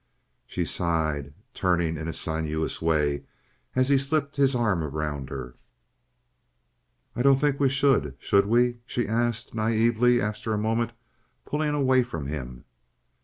She sighed, turning in a sinuous way, as he slipped his arm her. "I don't think we should, should we?" she asked, naively, after a moment, pulling away from him.